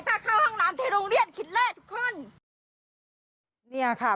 ถ้าเข้าห้างนั้นพมันได้โรงเรียนขึ้นแทดทุกคนนี่ค่ะ